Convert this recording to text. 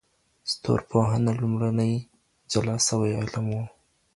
ستورپوهنه لومړنی جلا سوی علم و.